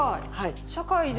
社会で。